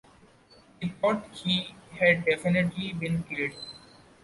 We thought he had definitely been killed.